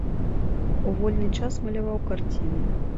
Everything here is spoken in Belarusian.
У вольны час маляваў карціны.